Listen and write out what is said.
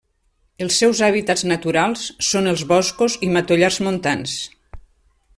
Els seus hàbitats naturals són els boscos i matollars montans.